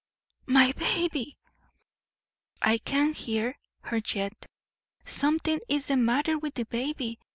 'My baby!' (I can hear her yet.) 'Something is the matter with the baby!'